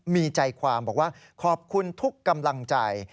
มีใจความบอกว่าขอบคุณทุกกำลังใจ